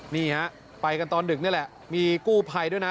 นี่ฮะไปกันตอนดึกนี่แหละมีกู้ภัยด้วยนะ